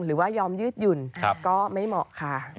หรือว่ายอมยืดหยุ่นก็ไม่เหมาะค่ะ